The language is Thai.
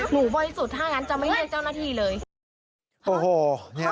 หมูบ่อยสุดถ้างั้นจะไม่มีเจ้าหน้าที่เลย